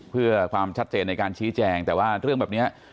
เพื่อความชัดเจนในการชี้แจงแต่ว่าเรื่องแบบนี้